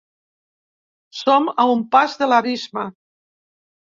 Són a un pas de l’abisme.